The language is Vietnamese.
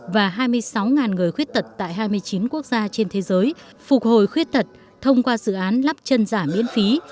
và hai mươi sáu người khuyết tật tại hai mươi chín quốc gia trên thế giới phục hồi khuyết tật thông qua dự án lắp chân giả miễn phí